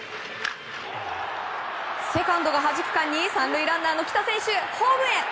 セカンドがはじく間に３塁ランナーの来田選手ホームへ！